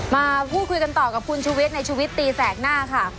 มาพูดคุยกันต่อกับคุณชุวิตในชีวิตตีแสกหน้าค่ะ